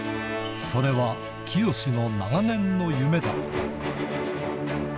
それは、きよしの長年の夢だった。